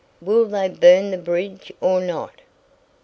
"Will they burn the bridge or not?